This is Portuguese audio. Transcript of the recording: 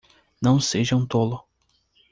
Não seja um tolo!